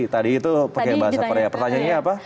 tadi itu pakai bahasa korea pertanyaannya apa